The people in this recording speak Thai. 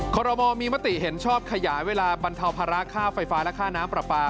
ขอรมอลมีมติเห็นชอบขยายเวลาบรรเทาภาระค่าไฟฟ้าและค่าน้ำปลาปลา